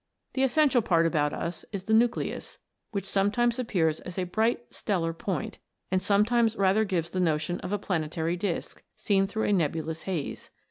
The essential part about us is the nucleus, which some times appears as a bright stellar point, and some times rather gives the notion of a planetary disc, seen through a nebulous haze.